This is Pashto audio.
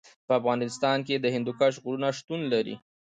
په افغانستان کې د هندوکش غرونه شتون لري.